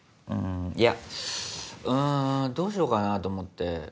いやうんどうしようかなと思って。